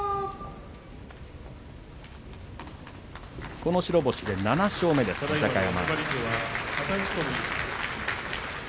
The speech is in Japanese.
この白星で７勝目です、豊山。